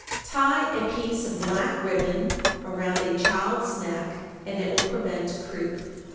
Tie a piece of black ribbon around a child's neck, and it will prevent croup.